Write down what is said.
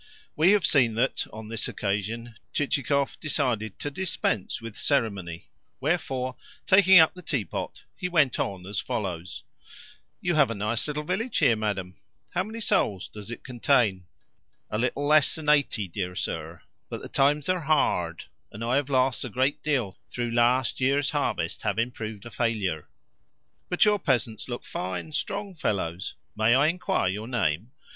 We have seen that, on this occasion, Chichikov decided to dispense with ceremony; wherefore, taking up the teapot, he went on as follows: "You have a nice little village here, madam. How many souls does it contain?" "A little less than eighty, dear sir. But the times are hard, and I have lost a great deal through last year's harvest having proved a failure." "But your peasants look fine, strong fellows. May I enquire your name?